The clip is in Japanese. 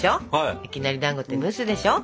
いきなりだんごって蒸すでしょ？